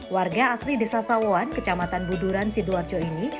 warga asli desa sawon kecamatan buduran sidoarjo ini